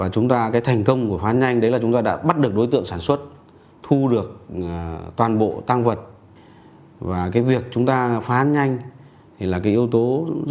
trong đó có hoàng đức anh và cao nhất ý